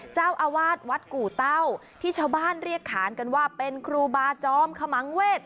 เจ้าอาวาสวัดกู่เต้าที่ชาวบ้านเรียกขานกันว่าเป็นครูบาจอมขมังเวศ